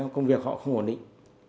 công việc họ không ổn định